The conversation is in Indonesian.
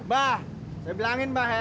mbah saya bilangin mbah ya